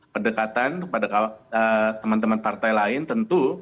pendekatan kepada teman teman partai lain tentu